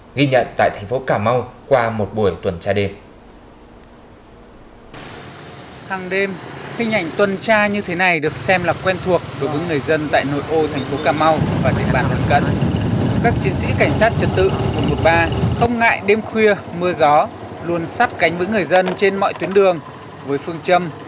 nghi nhận tại thành phố cà mau qua một buổi tuần tra đêm